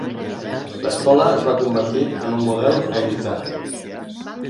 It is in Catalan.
L'escola es va convertir en un model a imitar.